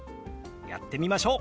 やってみましょう。